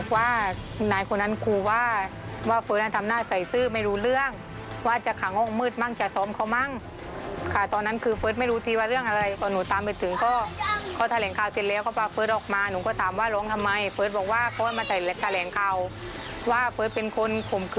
ว่าเพราะเป็นคนขมขืนเด็กทีนี้หนูก็พูดกับสารวัฒน์